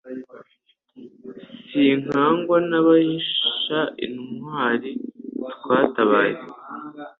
Sinkangwa n'ababisha intwari twatabaye.